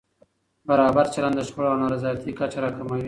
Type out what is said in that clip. برابر چلند د شخړو او نارضایتۍ کچه راکموي.